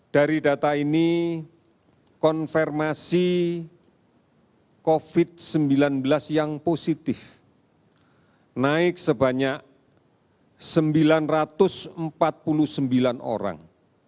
dari data ini konfirmasi covid sembilan belas yang positif naik sebanyak sembilan ratus empat puluh sembilan orang